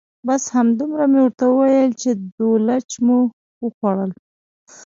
بس همدومره مې ورته وویل چې دولچ مو وخوړل.